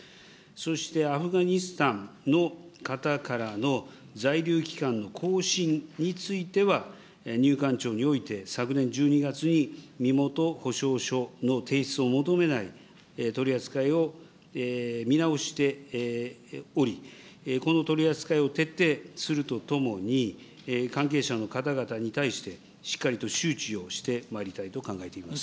そしてアフガニスタンの方からの在留期間の更新については、入管庁において昨年１２月に身元保証書の提出を求めない取り扱いを見直しており、この取り扱いを徹底するとともに、関係者の方々に対して、しっかりと周知をしてまいりたいと考えています。